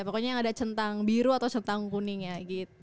pokoknya yang ada centang biru atau centang kuning ya gitu